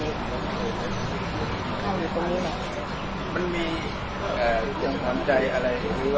เข้าหนูตรงนี้แหละมันมีเอ่ออย่างความใจอะไรหรือว่า